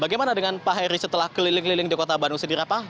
bagaimana dengan pak heri setelah keliling keliling di kota bandung sendiri pak